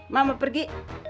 ma mau pergi